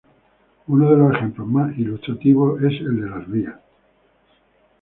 Uno de los ejemplos más ilustrativos es el de las vías.